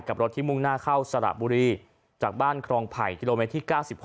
รถที่มุ่งหน้าเข้าสระบุรีจากบ้านครองไผ่กิโลเมตรที่๙๖